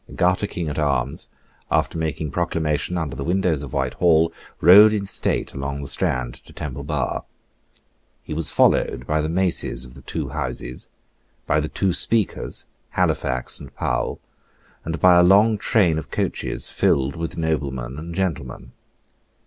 Garter King at arms, after making proclamation under the windows of Whitehall, rode in state along the Strand to Temple Bar. He was followed by the maces of the two Houses, by the two Speakers, Halifax and Powle, and by a long train of coaches filled with noblemen and gentlemen.